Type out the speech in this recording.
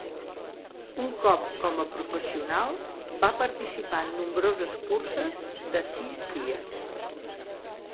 Un cop com a professional, va participar en nombroses curses de sis dies.